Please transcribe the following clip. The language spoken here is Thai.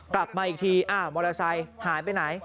กลับมาอีกทีอ้าวมอเตอร์ไซค์หายไปไหน